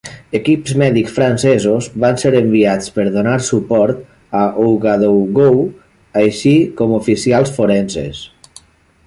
Equips mèdics francesos van ser enviats per donar suport a Ouagadougou, així com oficials forenses.